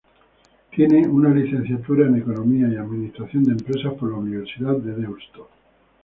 Tiene una Licenciatura en Economía y Administración de Empresas por la Universidad de Deusto.